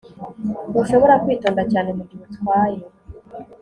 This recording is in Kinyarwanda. Ntushobora kwitonda cyane mugihe utwaye